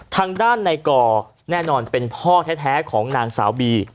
ทางด้านในก่อแน่นอนเป็นพ่อแท้ของนางสาวบี